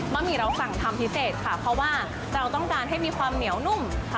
หมี่เราสั่งทำพิเศษค่ะเพราะว่าเราต้องการให้มีความเหนียวนุ่มค่ะ